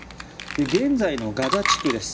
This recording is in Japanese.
現在のガザ地区です。